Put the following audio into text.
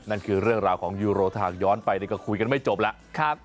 นั่นคือเรื่องราวของยูโรถ้าหากย้อนไปก็คุยกันไม่จบแล้ว